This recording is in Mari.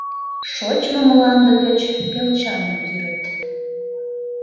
Шочмо мланде гыч пелчаным кӱрыт.